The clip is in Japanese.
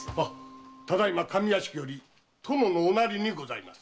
ただ今上屋敷より殿のおなりにございます。